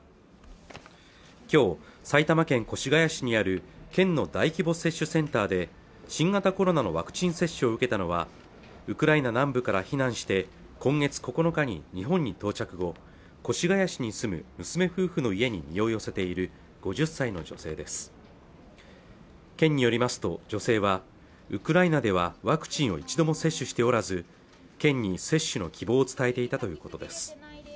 きょう埼玉県越谷市にある県の大規模接種センターで新型コロナのワクチン接種を受けたのはウクライナ南部から避難して今月９日に日本に到着後越谷市に住む娘夫婦の家に身を寄せている５０歳の女性です県によりますと女性はウクライナではワクチンを一度も接種しておらず県に接種の希望を伝えていたということです